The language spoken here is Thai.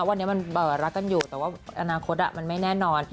วันนี้มันรักกันอยู่แต่ว่าอนาคตมันไม่แน่นอน